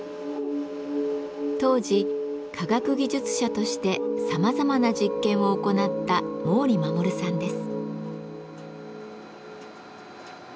当時科学技術者としてさまざまな実験を行った毛利衛さんです。